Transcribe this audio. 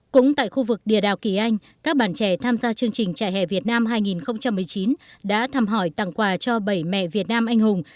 cũng tại khu vực địa đạo kỳ anh các bạn trẻ tham gia chương trình trại hè việt nam hai nghìn một mươi chín đã thăm hỏi tặng quà cho bảy mẹ việt nam anh hùng